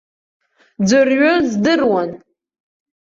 Ӡәырҩы здыруан.